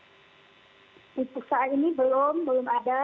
untuk saat ini belum belum ada